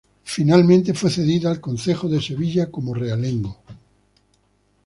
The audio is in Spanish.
Finalmente, fue cedida al concejo de Sevilla como realengo.